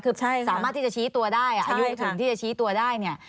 คือสามารถที่จะชี้ตัวได้อายุถึงที่จะชี้ตัวได้เนี่ย